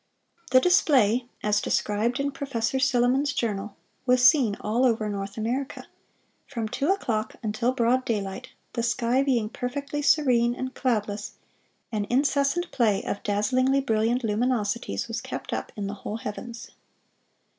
The display, as described in Professor Silliman's Journal, was seen all over North America.... From two o'clock until broad daylight, the sky being perfectly serene and cloudless, an incessant play of dazzlingly brilliant luminosities was kept up in the whole heavens."